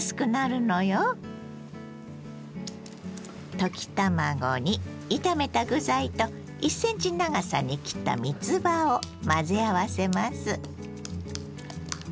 溶き卵に炒めた具材と１ｃｍ長さに切ったみつばを混ぜ合わせます。